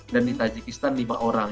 dan di tajikistan lima orang